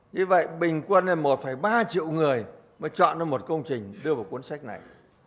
như vậy bình quân là một ba triệu người mới chọn ra một công trình đưa vào cuốn sách này